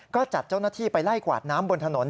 ก็จัดเจ้าหน้าที่ไปไล่กวาดน้ำบนถนน